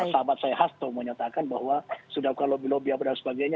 sahabat saya hasto menyatakan bahwa sudah lakukan lobby lobby apa dan sebagainya